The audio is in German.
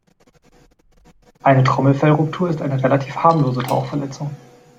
Eine Trommelfellruptur ist eine relativ harmlose Tauchverletzung.